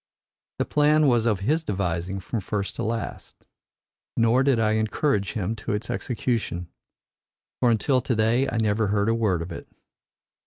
"The plan was of his devising from first to last. Nor did I encourage him to its execution. For until to day I never heard a word of it.